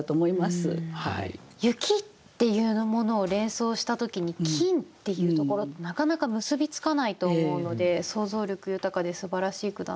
雪っていうものを連想した時に金っていうところってなかなか結び付かないと思うので想像力豊かですばらしい句だなと思いました。